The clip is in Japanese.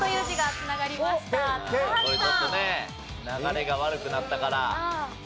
流れが悪くなったから。